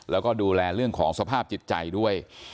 แล้วก็ดูแลเรื่องของสภาพจิตใจด้วย